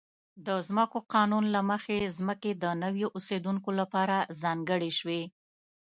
د ځمکو قانون له مخې ځمکې د نویو اوسېدونکو لپاره ځانګړې شوې.